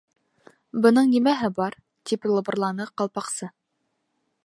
—Бының нимәһе бар? —тип лыбырланы Ҡалпаҡсы.